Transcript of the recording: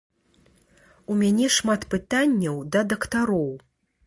У мяне шмат пытанняў да дактароў.